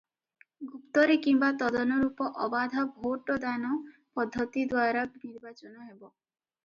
ଗୁପ୍ତରେ କିମ୍ୱା ତଦନୁରୂପ ଅବାଧ ଭୋଟ ଦାନ-ପଦ୍ଧତି ଦ୍ୱାରା ନିର୍ବାଚନ ହେବ ।